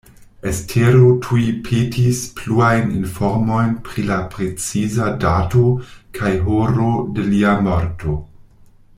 Estero tuj petis pluajn informojn pri la preciza dato kaj horo de lia morto.